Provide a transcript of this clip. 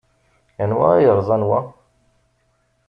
Anwa ay yerẓan wa?